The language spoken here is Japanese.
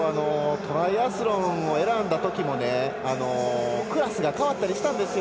トライアスロンを選んだときもクラスが変わったりしたんですよ。